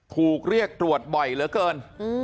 ถูกเรียกตรวจบ่อยเหลือเกิน